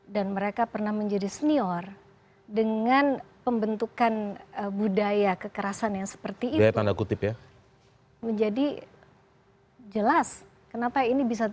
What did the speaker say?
dan mereka pernah menjadi senior dengan pembentukan budaya kekerasan yang seperti itu menjadi jelas